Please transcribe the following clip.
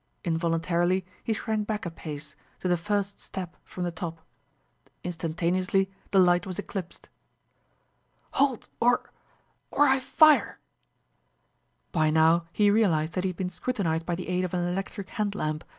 Involuntarily he shrank back a pace, to the first step from the top. Instantaneously the light was eclipsed. "Halt or or I fire!" By now he realized that he had been scrutinized by the aid of an electric hand lamp.